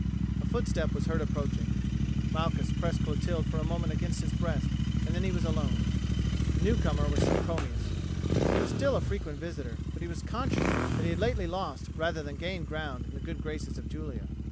A footstep was heard approaching. Malchus pressed Clotilde for a moment against his breast, and then he was alone. The newcomer was Sempronius. He was still a frequent visitor, but he was conscious that he had lately lost rather than gained ground in the good graces of Julia.